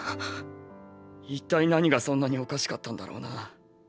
一体何がそんなにおかしかったんだろうな。